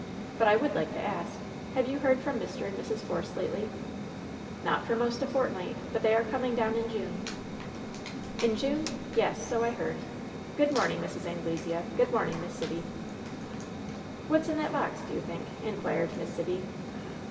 But I would like to ask : Have you heard from Mr. and Mrs. Force lately ?" '''Not for 'most a fortnight. But they are coming down in June." "In June? Yes, so I heard. Gk)od moming, Mrs. Anglesea. Good morning, Miss Sibby." And the visitor hurried away. "What's in that box, do you think?" inquired Miss Sibby.